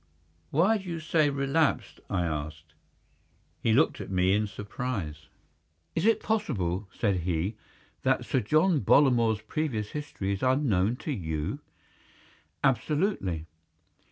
"Why do you say relapsed?" I asked. He looked at me in surprise. "Is it possible," said he, "that Sir John Bollamore's previous history is unknown to you?" "Absolutely."